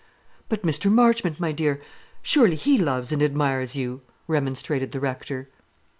"But Mr. Marchmont, my dear, surely he loves and admires you?" remonstrated the Rector.